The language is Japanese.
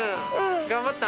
頑張った？